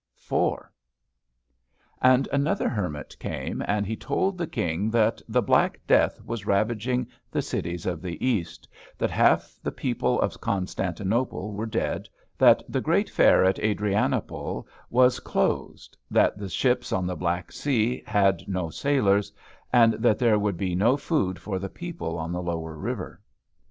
IV. And another Hermit came, and he told the King that the Black Death was ravaging the cities of the East; that half the people of Constantinople were dead; that the great fair at Adrianople was closed; that the ships on the Black Sea had no sailors; and that there would be no food for the people on the lower river.